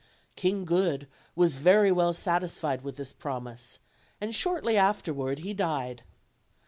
King Good was very well satisfied with this promise, and shortly afterward he died.